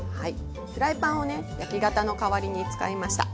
フライパンをね焼き型の代わりに使いました。